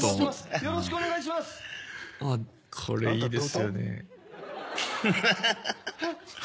よろしくお願いします。